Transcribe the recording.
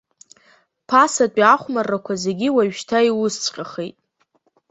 Ԥасатәи ахәмаррақәа зегьы уажәшьҭа иусҵәҟьахеит.